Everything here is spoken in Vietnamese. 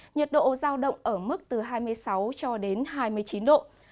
nhiệt độ giao động ở mức từ hai mươi sáu cho đến hai mươi chín độ